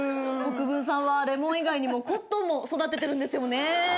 国分さんはレモン以外にもコットンも育ててるんですよね。